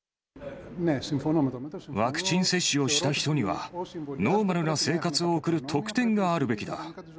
ワクチン接種をした人には、ノーマルな生活を送る特典があるべきだ。